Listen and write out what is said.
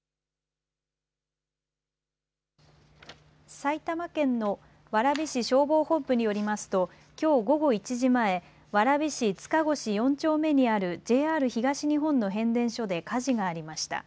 埼玉県の蕨市消防本部によりますときょう午後１時前、蕨市塚越４丁目にあるＪＲ東日本の変電所で火事がありました。